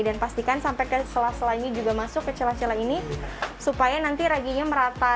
dan pastikan sampai ke sela selanya juga masuk ke celah celah ini supaya nanti raginya merata